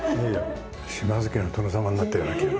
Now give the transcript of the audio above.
島津家の殿様になったような気分。